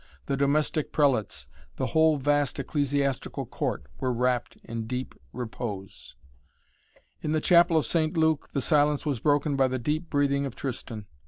The domestic prelates, the whole vast ecclesiastical court were wrapt in deep repose. In the chapel of St. Luke the silence was broken by the deep breathing of Tristan.